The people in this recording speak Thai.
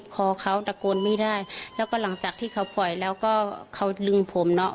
เป็นคนขี้หึงหรือ